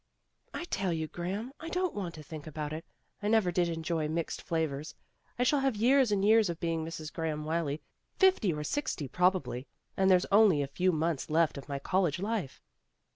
"I tell you, Graham, I don't want to think about it. I never did enjoy mixed flavors. I shall have years and years of being Mrs. Graham Wylie, fifty or sixty probably, and there's only a few months left of my college life."